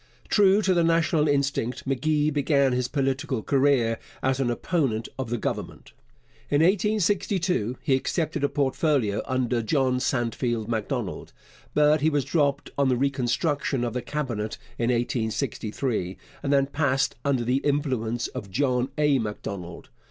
True to the national instinct, M'Gee began his political career as an opponent of the Government. In 1862 he accepted a portfolio under John Sandfield Macdonald, but he was dropped on the reconstruction of the Cabinet in 1863, and then passed under the influence of John A. Macdonald.